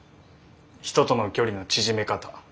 人との距離の縮め方。